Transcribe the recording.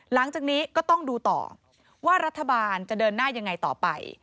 หลังจากนี้ก็ต้องดูต่อว่ารัฐบาลจะเดินหน้ายังไงต่อไป